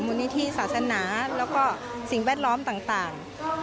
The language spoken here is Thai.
มูลนิธิศาสนาแล้วก็สิ่งแวดล้อมต่าง